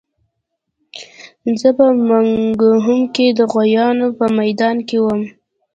زه په برمنګهم کې د غویانو په میدان کې وم